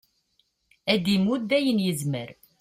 ad d-imudd ayen yezmer